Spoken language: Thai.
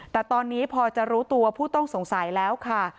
แต่ตอนนี้พอจะรู้ตัวผู้ต้องสงสัยแล้วค่ะ